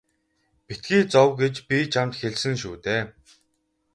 Битгий зов гэж би чамд хэлсэн шүү дээ.